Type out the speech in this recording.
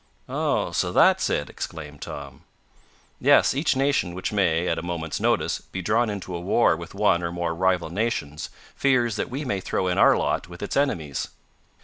"Oh, so that's it?" exclaimed Tom. "Yes, each nation, which may, at a moments notice, be drawn into a war with one or more rival nations, fears that we may throw in our lot with its enemies."